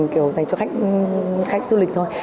kiểu dành cho khách du lịch thôi